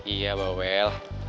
iya mbak wel